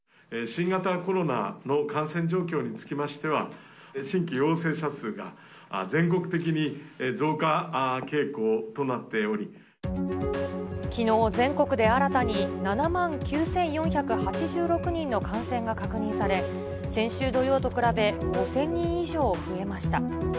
新型コロナの感染状況につきましては、きのう全国で新たに７万９４８６人の感染が確認され、先週土曜と比べ、５０００人以上増えました。